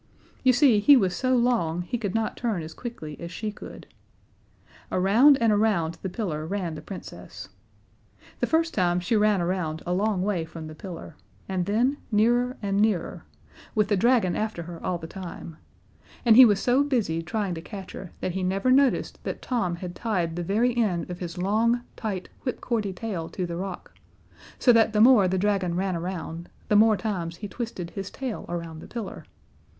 You see, he was so long he could not turn as quickly as she could. Around and around the pillar ran the Princess. The first time she ran around a long way from the pillar, and then nearer and nearer with the dragon after her all the time; and he was so busy trying to catch her that he never noticed that Tom had tied the very end of his long, tight, whipcordy tail to the rock, so that the more the dragon ran around, the more times he twisted his tail around the pillar.